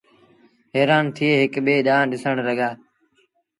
هيرآن ٿئي هڪ ٻي ڏآنٚهنٚ ڏسڻ لڳآ